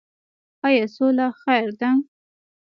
آیا سوله خیر ده؟